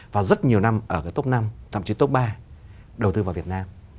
và rất nhiều năm ở cái tốc năm thậm chí tốc ba đầu tư vào việt nam